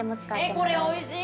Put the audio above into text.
これおいしい。